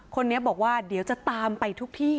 คนนี้บอกว่าเดี๋ยวจะตามไปทุกที่